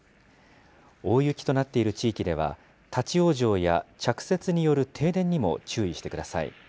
大雪となっている地域では、立往生や着雪による停電にも注意してください。